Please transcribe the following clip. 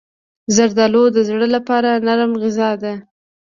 زردالو د زړه لپاره نرم غذا ده.